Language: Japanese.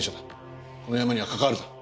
このヤマにはかかわるな。